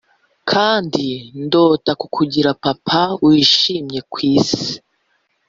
kandi ndota kukugira papa wishimye kwisi.